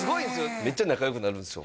めっちゃ仲良くなるんですよ